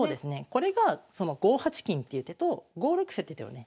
これが５八金っていう手と５六歩って手をね